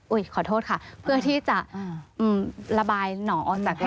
อุ๊ยขอโทษค่ะเพื่อที่จะระบายหนองอ่อนหนักรักแล้ว